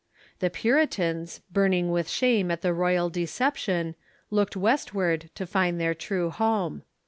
The Puritans, burning with shame at the royal deception, looked westward to find their true home.